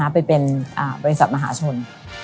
ไปเป็นบริษัทมหาชน